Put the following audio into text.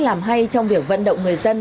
làm hay trong việc vận động người dân